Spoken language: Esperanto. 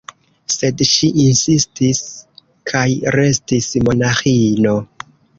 Sed ŝi insistis kaj restis monaĥino.